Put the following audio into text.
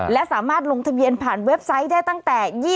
และสามารถลงทะเบียนผ่านเว็บไซต์ได้ตั้งแต่